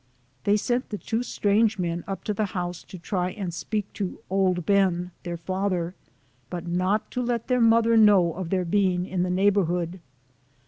They sent the two strange men up to the house to try and speak to " Old Ben," their father, but not to let their mother know of their being in the neighbor hood.